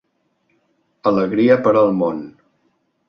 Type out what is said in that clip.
Alegria per al món.